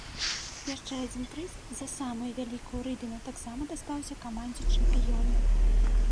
Яшчэ адзін прыз, за самую вялікую рыбіну, таксама дастаўся камандзе-чэмпіёну.